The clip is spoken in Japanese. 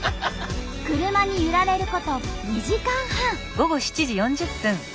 車に揺られること２時間半。